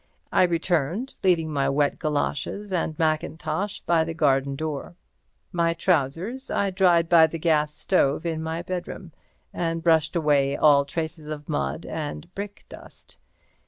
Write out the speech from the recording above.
I returned, leaving my wet galoshes and mackintosh by the garden door. My trousers I dried by the gas stove in my bedroom, and brushed away all traces of mud and brick dust.